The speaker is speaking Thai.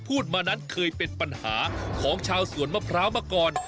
พูดมานั้นเคยเป็นปัญหาของชาวสวนมะพร้าวมาก่อน